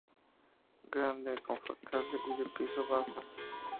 Grande, confortable y de piso bajo.